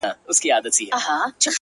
نسه ـ نسه جام د سوما لیري کړي;